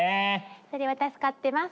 それは助かってます。